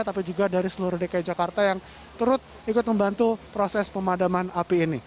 tapi juga dari seluruh dki jakarta yang turut ikut membantu proses pemadaman api ini